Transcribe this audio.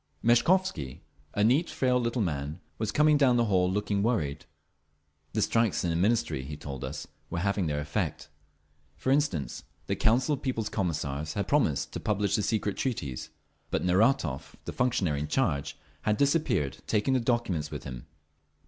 Meshkovsky, a neat, frail little man, was coming down the hall, looking worried. The strikes in the Ministries, he told us, were having their effect. For instance, the Council of People's Commissars had promised to publish the Secret Treaties; but Neratov, the functionary in charge, had disappeared, taking the documents with him.